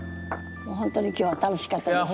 本当に今日は楽しかったです。